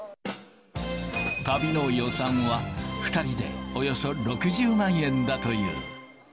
旅の予算は、２人でおよそ６０万円だという。